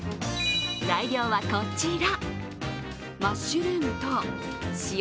材料はこちら。